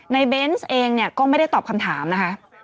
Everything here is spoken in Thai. ในเบนส์เองก็ไม่ได้ตอบคำถามนะคะ